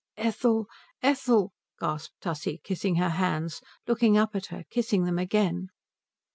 "Ethel Ethel " gasped Tussie, kissing her hands, looking up at her, kissing them again.